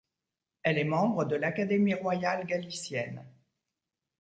Elle est membre de l'Académie royale galicienne.